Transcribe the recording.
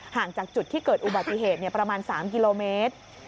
ห่างจากจุดที่เกิดอุบัติเหตุประมาณ๓กิโลเมตร